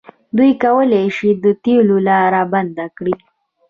دوی کولی شي د تیلو لاره بنده کړي.